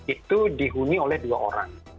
itu dihuni oleh dua orang